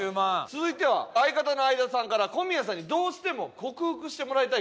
続いては相方の相田さんから小宮さんにどうしても克服してもらいたい事があるという。